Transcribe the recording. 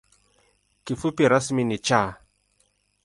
Kifupi rasmi ni ‘Cha’.